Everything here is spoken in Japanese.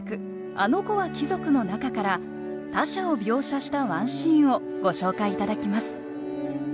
「あのこは貴族」の中から他者を描写したワンシーンをご紹介頂きます